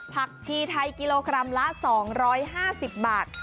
ผักชีไทยกิโลกรัมละ๒๕๐บาท